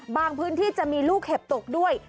พื้นที่จะมีลูกเห็บตกด้วย